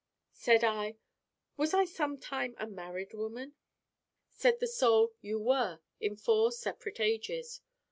Said I: 'Was I sometime a married woman?' Said the Soul: 'You were in four separate ages.